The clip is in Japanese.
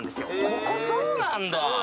ここそうなんだ。